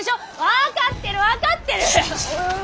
分かってる分かってる！